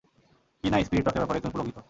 কিনাই, স্পিরিট রকের ব্যাপারে তুমি পুলকিত?